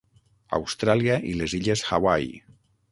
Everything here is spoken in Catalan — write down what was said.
Austràlia i les illes Hawaii.